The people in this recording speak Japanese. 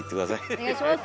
お願いします。